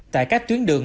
tại các tuyến đường